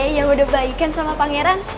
yang udah baikin sama pangeran